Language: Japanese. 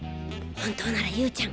本当なら優ちゃん